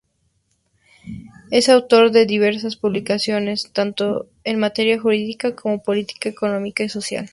Es autor de diversas publicaciones tanto en materia jurídica, como política, económica y social.